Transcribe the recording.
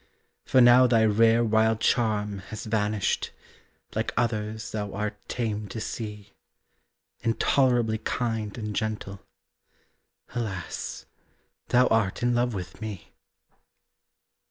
For now thy rare wild charm has vanished, Like others thou art tame to see, Intolerably kind and gentle Alas! thou art in love with me.